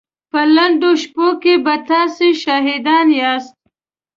په لنډو شپو کې به تاسې شاهدان ياست.